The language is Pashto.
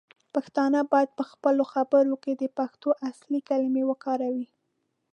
پښتانه باید پخپلو خبرو کې د پښتو اصلی کلمې وکاروي.